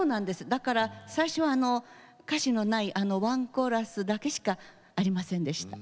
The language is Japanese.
だから、最初は歌詞のないワンコーラスだけしかありませんでした。